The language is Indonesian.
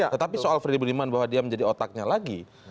tetapi soal freddy budiman bahwa dia menjadi otaknya lagi